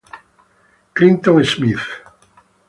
Clinton Smith